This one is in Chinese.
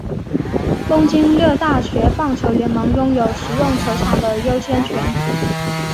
东京六大学棒球联盟拥有使用球场的优先权。